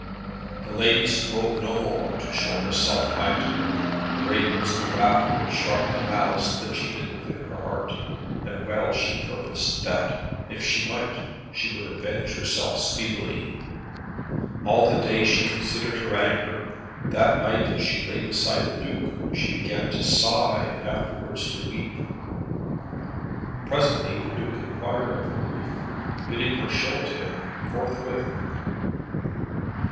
The lady strove no more to show herself kind to him. Great was the wrath and sharp the malice that she hid within her heart, and well she purposed that, if she might, she would avenge herself speedily. All the day she considered her anger. That night as she lay beside the Duke she began to sigh, and afterwards to weep. Presently the Duke inquired of her grief, bidding her show it him forthwith.